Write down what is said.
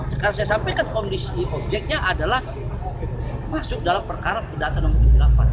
sekarang saya sampaikan kondisi objeknya adalah masuk dalam perkara perdata nomor tujuh puluh delapan